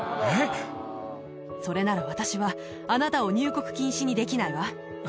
それなら、私はあなたを入国禁止にできないわ。